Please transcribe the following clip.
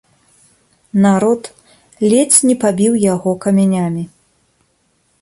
Народ ледзь не пабіў яго камянямі.